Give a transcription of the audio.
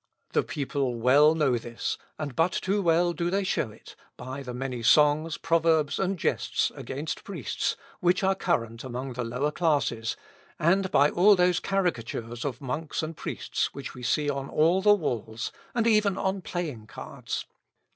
The people well know this, and but too well do they show it, by the many songs, proverbs, and jests, against priests, which are current among the lower classes, and by all those caricatures of monks and priests which we see on all the walls, and even on playing cards.